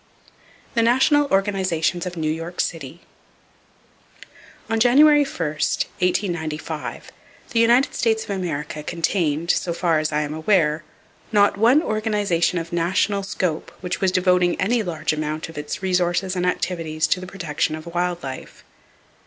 The National Organizations Of New York City On January 1, 1895, the United States of America contained, so far as I am aware, not one organization of national scope which was devoting any large amount of its resources and activities to the protection of wild life.